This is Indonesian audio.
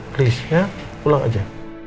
please ya pulang aja